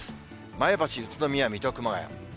前橋、宇都宮、水戸、熊谷。